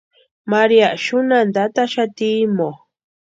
María xunhanta ataxati imo.